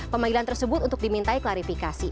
pemanggilan tersebut untuk dimintai klarifikasi